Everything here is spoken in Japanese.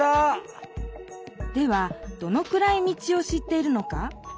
ではどのくらい道を知っているのか？